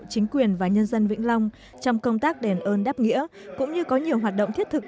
chính quyền và nhân dân vĩnh long trong công tác đền ơn đáp nghĩa cũng như có nhiều hoạt động thiết thực